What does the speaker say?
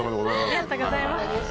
ありがとうございます。